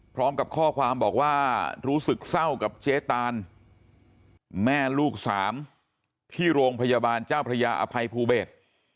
พร้อมกับข้อความบอกว่ารู้สึกเศร้ากับเจ๊ตานแม่ลูกสามที่โรงพยาบาลเจ้าพระยาอภัยภูเบศ